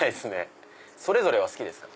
それぞれは好きですか？